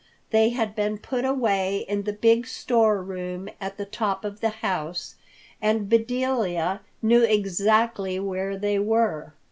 They had been put away in the big store room at the top of the house, and Bedelia knew exactly where they were.